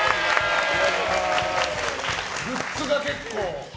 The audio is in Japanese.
グッズが結構。